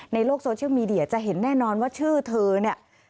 ในโลกโซเชียลมีเดียจะเห็นแน่นอนว่าชื่อเธอเนี่ย